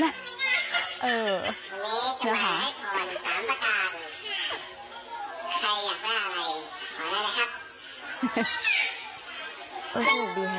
ฮ่อเย็นดี